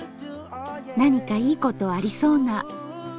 何かいいことありそうな。